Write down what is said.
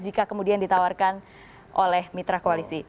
jika kemudian ditawarkan oleh mitra koalisi